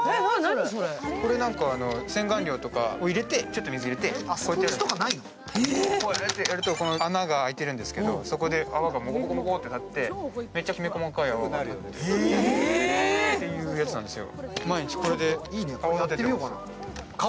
洗顔料を入れて、ちょっと水入れてこうやってやると穴が開いてるんですけど、そこで泡がモコモコモコとなってめっちゃきめ細かい泡が出るっていうやつなんですよ。